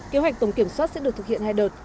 kế hoạch tổng kiểm soát sẽ được thực hiện hai đợt